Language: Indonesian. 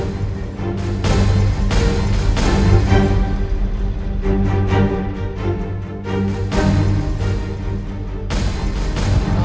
sampai jumpa om